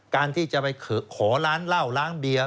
การที่จะไปขอร้านเหล้าล้างเบียร์